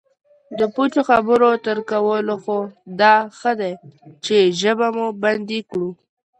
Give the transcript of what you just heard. د پوچو خبرو تر کولو خو دا ښه دی چې ژبه مو بندي کړو